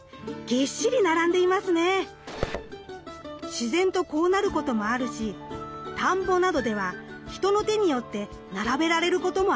自然とこうなることもあるし田んぼなどでは人の手によって並べられることもあるんです。